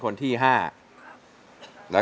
สวัสดีครับ